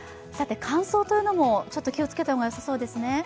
乾燥というのもちょっと気をつけた方がよさそうですね。